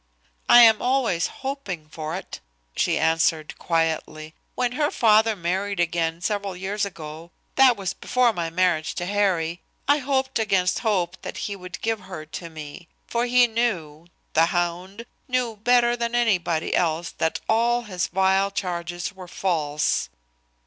"I am always hoping for it," she answered quietly. "When her father married again, several years ago that was before my marriage to Harry I hoped against hope that he would give her to me. For he knew the hound knew better than anybody else that all his vile charges were false."